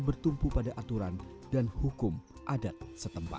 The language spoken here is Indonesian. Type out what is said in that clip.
bertumpu pada aturan dan hukum adat setempat